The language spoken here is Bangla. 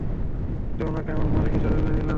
আমি ওই মূহুর্তে উনাকে আমার মালিক হিসাবে মেনে নিলাম।